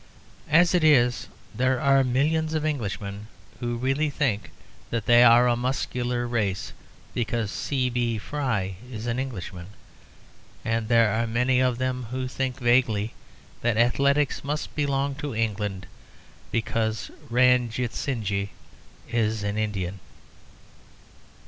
As it is, there are millions of Englishmen who really think that they are a muscular race because C.B. Fry is an Englishman. And there are many of them who think vaguely that athletics must belong to England because Ranjitsinhji is an Indian.